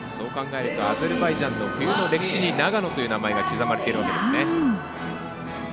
そう考えるとアゼルバイジャンの冬の歴史に長野という名前が刻まれているわけですね。